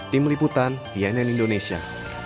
tim liputan cnn indonesia